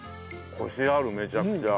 コシあるめちゃくちゃ。